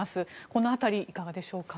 この辺り、いかがでしょうか？